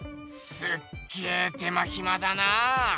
すっげえ手間ひまだな。